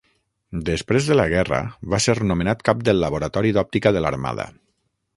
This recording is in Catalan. Després de la Guerra, va ser nomenat cap del Laboratori d'Òptica de l'Armada.